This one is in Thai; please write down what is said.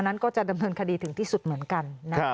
นั้นก็จะดำเนินคดีถึงที่สุดเหมือนกัน